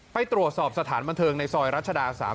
ไปตรวจสอบสถานบันเทิงในซอยรัชดา๓๐